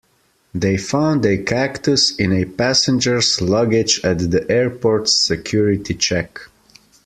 They found a cactus in a passenger's luggage at the airport's security check.